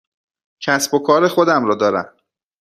کسب و کار خودم را دارم.